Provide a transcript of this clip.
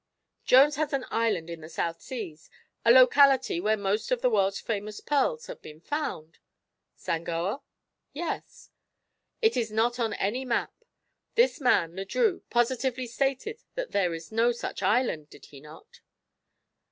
"Jones has an island in the South Seas, a locality where most of the world's famous pearls have been found." "Sangoa?" "Yes." "It is not on any map. This man, Le Drieux, positively stated that there is no such island, did he not?"